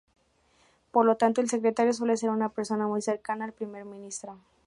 Por lo tanto, el Secretario suele ser una persona muy cercana al Primer Ministro.